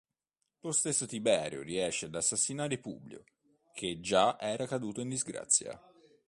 Lo stesso Tiberio riesce ad assassinare Publio, che già era caduto in disgrazia.